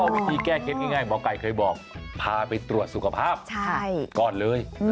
วิธีแก้เคล็ดง่ายหมอไก่เคยบอกพาไปตรวจสุขภาพก่อนเลย